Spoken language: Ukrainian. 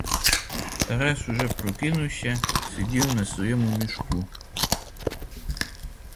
Тарас уже прокинувся і сидів на своєму мішку.